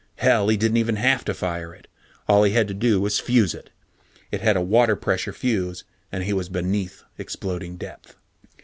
Hell, he didn't have to fire it. All he had to do was fuse it. It had a water pressure fuse, and he was beneath exploding depth.